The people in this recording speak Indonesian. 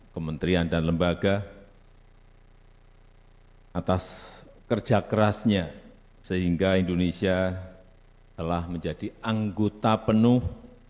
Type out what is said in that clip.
kementerian dan lembaga atas kerja kerasnya sehingga indonesia telah menjadi anggota penuh